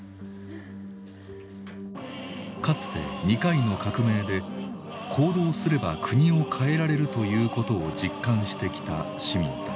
かつて２回の革命で行動すれば国を変えられるということを実感してきた市民たち。